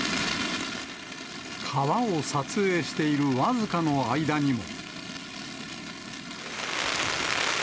川を撮影している僅かの間にも。